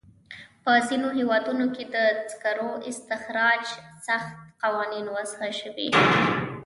په ځینو هېوادونو کې د سکرو استخراج ته سخت قوانین وضع شوي.